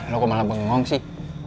lo kok malah bengong sih